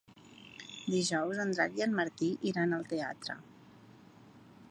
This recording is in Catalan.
Dijous en Drac i en Martí iran al teatre.